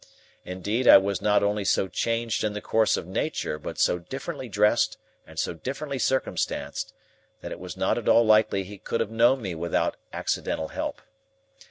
Indeed, I was not only so changed in the course of nature, but so differently dressed and so differently circumstanced, that it was not at all likely he could have known me without accidental help.